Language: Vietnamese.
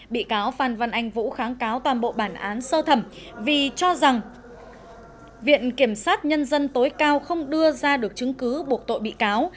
bị cáo phan văn anh vũ kháng cáo toàn bộ bản án sơ thẩm vì cho rằng viện kiểm sát nhân dân tối cao không đưa ra được chứng cứ buộc tội bị cáo